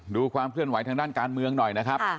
ดูความเคลื่อนไหวทางด้านการเมืองหน่อยนะครับ